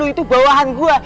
itu bawahan gue